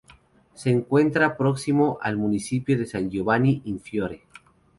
Se encuentra próximo al municipio de San Giovanni in Fiore.